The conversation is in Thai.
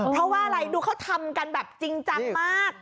เพราะว่าอะไรดูเขาทำกันแบบจริงจังมาก